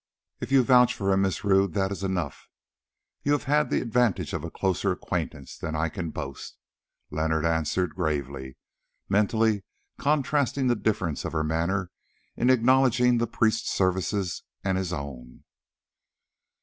"If you vouch for him, Miss Rodd, that is enough. You have had the advantage of a closer acquaintance than I can boast," Leonard answered gravely, mentally contrasting the difference of her manner in acknowledging the priest's services and his own.